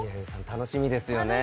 楽しみですね